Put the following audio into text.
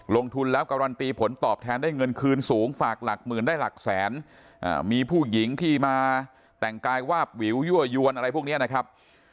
ลงทุนแล้วการันตีผลตอบแทนได้เงินคืนสูงฝากหลักหมื่นได้หลักแสนมีผู้หญิงที่มาแต่งกายวาบวิวยั่วยวนอะไรพวกนี้นะครับ